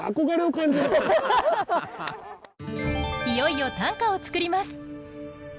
いよいよ短歌を作ります。